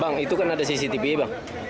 bang itu kan ada cctv bang